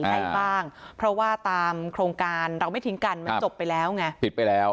ให้บ้างเพราะว่าตามโครงการเราไม่ทิ้งกันมันจบไปแล้วไงผิดไปแล้ว